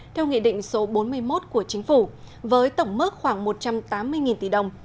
theo nghị định số bốn mươi một của chính phủ với tổng mức khoảng một trăm tám mươi tỷ đồng